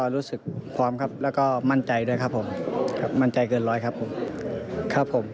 รู้สึกพร้อมครับแล้วก็มั่นใจด้วยครับผมครับมั่นใจเกินร้อยครับผมครับผม